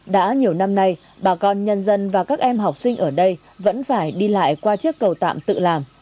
đã nhiều năm nay bà con nhân dân và các em học sinh ở đây vẫn phải đi lại qua chiếc cầu tạm tự làm